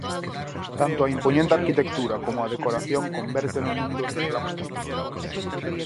Tanto a impoñente arquitectura como a decoración convérteno nun dos reclamos turísticos.